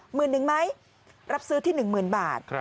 หมื่นหนึ่งไหมรับซื้อที่หนึ่งหมื่นบาท